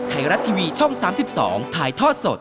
ไทยรัฐทีวีช่อง๓๒ถ่ายทอดสด